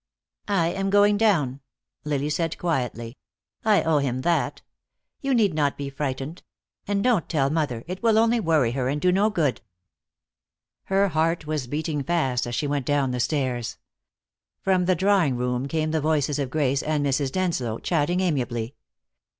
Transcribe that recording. "I am going down," Lily said quietly. "I owe him that. You need not be frightened. And don't tell mother; it will only worry her and do no good." Her heart was beating fast as she went down the stairs. From the drawing room came the voices of Grace and Mrs. Denslow, chatting amiably.